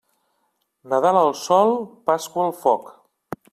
Nadal al sol, Pasqua al foc.